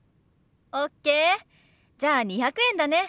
じゃあ２００円だね。